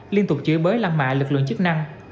liên tục chửi bới lăng mạ lực lượng chức năng